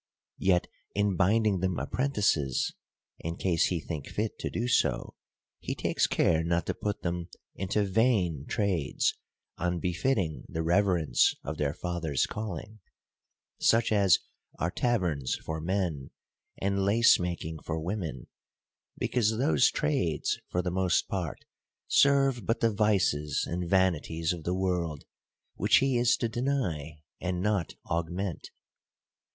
Yet in bind ing them apprentices (in case he think fit to do so), he takes care not to put them into vain trades, unbefitting the reverence of their father's calling : such as are taverns for men, and lace making for women ; because those trades, for the most part, serve but the vices and vanities of the world, which he is to deny, and not augment.